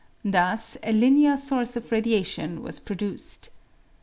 Thus a linear source of radiation was pro duced.